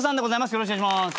よろしくお願いします。